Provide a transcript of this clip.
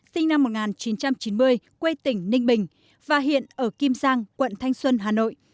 sinh năm một nghìn chín trăm chín mươi quê tỉnh ninh bình và hiện ở kim giang quận thanh xuân hà nội